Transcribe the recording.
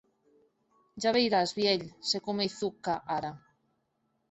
Ja veiràs, vielh, se com ei Zhuchka ara!